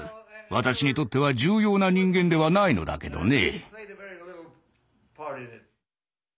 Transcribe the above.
私にとっては重要な人間ではないのだけどね。